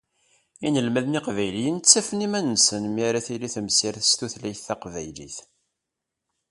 Inelmaden lqbayliyen ttafen iman-nsen mi ara tili temsirt s tutlayt taqbaylit.